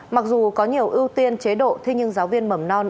mặc dù có nhiều ưu tiên chế độ thế nhưng giáo viên mầm non